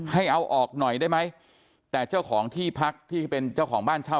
ให้เอาออกหน่อยได้ไหมแต่เจ้าของที่พักที่เป็นเจ้าของบ้านเช่า